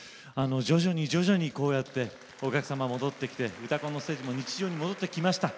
徐々に徐々にこうやってお客様戻ってきて「うたコン」のステージも日常に戻ってきました。